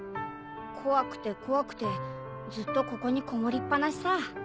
怖くて怖くてずっとここにこもりっぱなしさ。